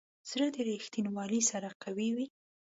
زړه د ریښتینولي سره قوي وي.